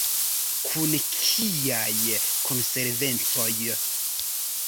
Kun kiaj konsekvencoj?